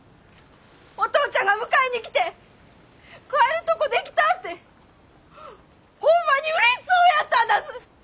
お父ちゃんが迎えに来て帰るとこできたてほんまにうれしそうやったんだす！